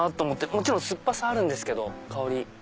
もちろん酸っぱさあるんですけど香り。